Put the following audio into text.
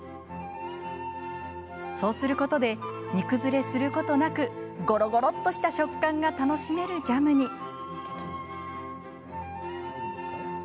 そうすることで煮崩れすることなくゴロゴロっとした食感が楽しめるジャムに。